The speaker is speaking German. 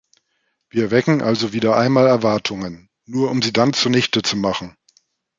Wir wecken also wieder einmal Erwartungen, nur um sie dann zunichte zu machen.